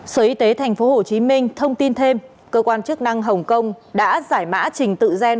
sở y tế tp hcm thông tin thêm cơ quan chức năng hồng kông đã giải mã trình tự gen